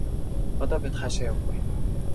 Одоо бид хаашаа явах вэ?